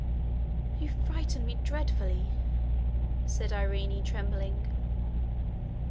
'You frighten me dreadfully,' said Irene, trembling.